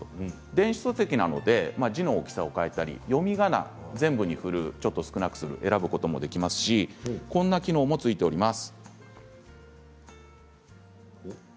電子書籍なので字の大きさを変えたり読みがなを全部にふる少なくするなど選ぶこともできますしこんな機能もついています。